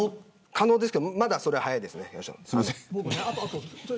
可能ですけどまだそれは早いです。